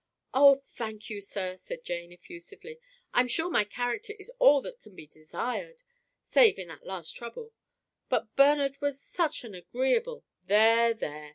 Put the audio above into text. "Oh, thank you, sir," said Jane, effusively. "I'm sure my character is all that can be desired, save in this last trouble. But Bernard was such an agreeable " "There! there!"